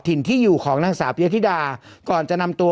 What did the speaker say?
ถิ่นที่อยู่ของนางสาวปียธิดาก่อนจะนำตัว